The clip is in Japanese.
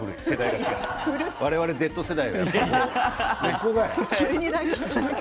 我々、Ｚ世代はね。